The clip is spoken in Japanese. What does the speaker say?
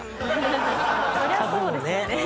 そりゃそうですよね。